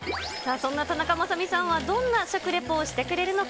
そんな田中雅美さんはどんな食レポをしてくれるのか。